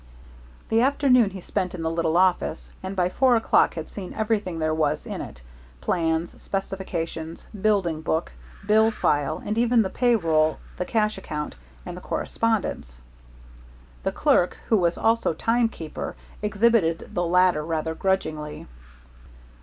The afternoon he spent in the little office, and by four o'clock had seen everything there was in it, plans, specifications, building book, bill file, and even the pay roll, the cash account, and the correspondence. The clerk, who was also timekeeper, exhibited the latter rather grudgingly.